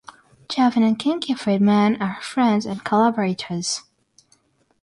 Chavin and Kinky Friedman are friends and collaborators.